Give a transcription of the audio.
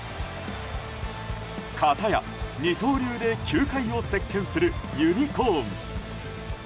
方や、二刀流で球界を席巻するユニコーン。